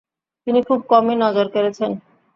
তিনি খুব কমই নজর কেড়েছেন।